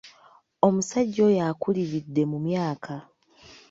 Omusajja oyo akuliridde mu myaka.